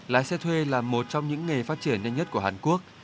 lái xe thuê là một trong những nghề phát triển nhanh nhất của hàn quốc